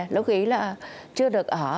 lúc ấy là chưa được ở